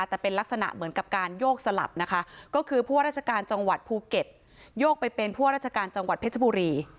แต่เป็นลักษณะเหมือนกับการโยกสลับนะคะก็คือผู้ว่าราชการจังหวัดภูเก็ตโยกไปเป็นผู้ว่าราชการจังหวัดเพชรบุรี